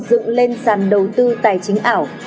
dựng lên sàn đầu tư tài chính ảo